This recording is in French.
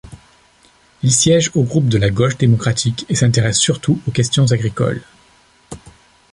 Il siège au groupe de la Gauche démocratique et s'intéresse surtout aux questions agricoles.